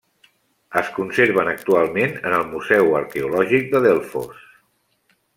Es conserven actualment en el Museu Arqueològic de Delfos.